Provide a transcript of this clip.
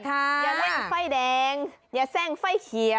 ยะเร่งไฟแดงยะแซ่งไฟเขียว